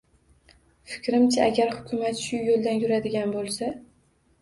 Fikrimcha, agar Hukumat shu yo‘ldan yuradigan bo‘lsa